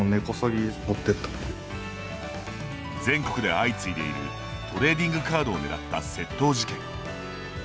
全国で相次いでいるトレーディングカードを狙った窃盗事件。